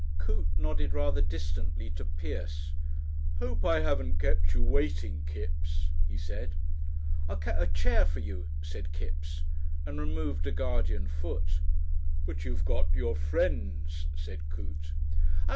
Coote nodded rather distantly to Pierce. "Hope I haven't kept you waiting, Kipps," he said. "I kep' a chair for you," said Kipps and removed a guardian foot. "But you've got your friends," said Coote. "Oh!